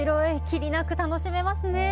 きりなく楽しめますね。